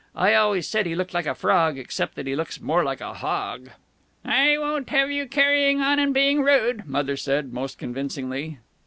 I always said he looked like a frog. Except that he looks more like a hog." "I won't have you carrying on and being rude," Mother said, most convincingly.